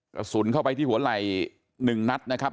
กระสุนเข้าไปที่หัวไหล่๑นัด